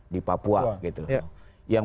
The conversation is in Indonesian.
di papua gitu yang